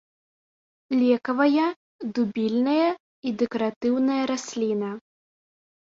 Лекавая, дубільная і дэкаратыўная расліна.